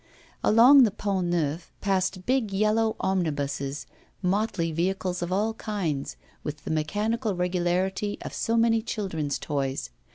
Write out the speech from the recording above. Along the Pont Neuf passed big yellow omnibuses, motley vehicles of all kinds, with the mechanical regularity of so many children's toys.